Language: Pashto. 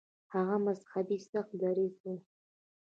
هغه مذهبي سخت دریځه و.